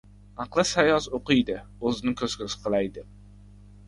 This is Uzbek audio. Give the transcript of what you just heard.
Aqli sayoz o‘qiydi o‘zni ko‘z-ko‘z qilay, deb.